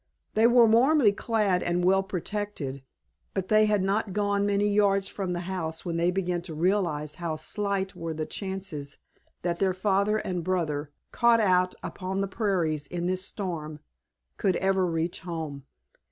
They were warmly clad and well protected, but they had not gone many yards from the house when they began to realize how slight were the chances that their father and brother, caught out upon the prairies in this storm, could ever reach home.